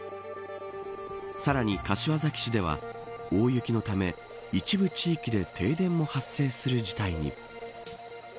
さらに柏崎市では大雪のため、一部地域で停電も発生する事態に。